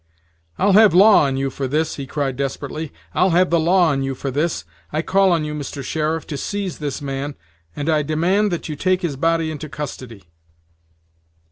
"I'll have law on you for this," he cried desperately; "I'll have the law on you for this. I call on you, Mr. Sheriff, to seize this man, and I demand that you take his body into custody."